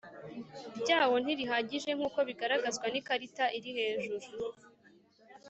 ryawo ntirihagije nk uko bigaragazwa n ikarita iri hejuru